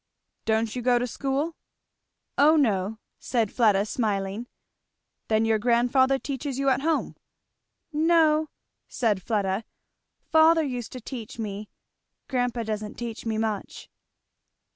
"Don't you go to school?" "O no!" said Fleda smiling. "Then your grandfather teaches you at home?" "No," said Fleda, "father used to teach me, grandpa doesn't teach me much."